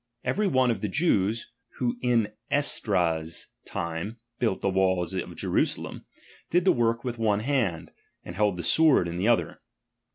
Every one H of the Jews, who in Esdras' time built the walls I of Jerusalem, did the work witli one hand, and I held the sword in the other.